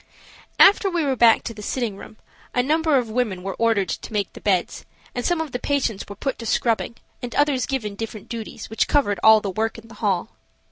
After we were back to the sitting room a number of women were ordered to make the beds, and some of the patients were put to scrubbing and others given different duties which covered all the work in the hall.